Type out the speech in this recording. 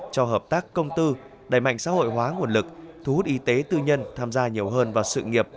cho hợp tác công tư đẩy mạnh xã hội hóa nguồn lực thu hút y tế tư nhân tham gia nhiều hơn vào sự nghiệp